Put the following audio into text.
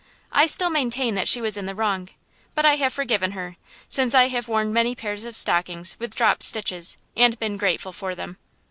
I still maintain that she was in the wrong, but I have forgiven her, since I have worn many pairs of stockings with dropped stitches, and been grateful for them.